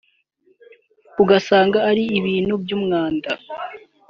ugasanga ari ibintu by’umwanda